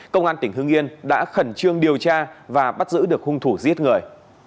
công an tỉnh hưng yên đã khẩn trương điều tra và bắt giữ được hung thủ giết người